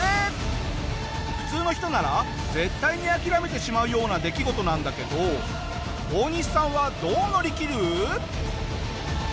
普通の人なら絶対に諦めてしまうような出来事なんだけどオオニシさんはどう乗り切る？